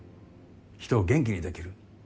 人を元気にできる。